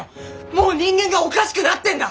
もう人間がおかしくなってんだ！